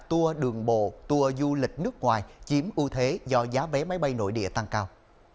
đặc tùa đường bộ tùa du lịch nước ngoài chiếm ưu thế do giá vé máy bay nội địa tăng cao